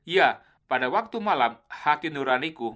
ya pada waktu malam hati nuraniku